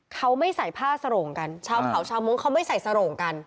เขาไม่ใส่ผ้าสโรงกันชาวเขาชาวมุ้งเขาไม่ใส่สโรงกัน